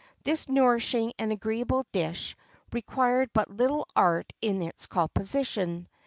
This nourishing and agreeable dish required but little art in its composition.